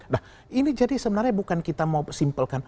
nah ini jadi sebenarnya bukan kita mau simpelkan